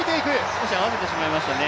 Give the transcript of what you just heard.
少し合わせてしまいましたね。